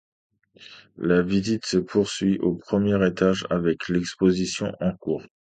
La visite se poursuit au premier étage avec l'exposition en cours.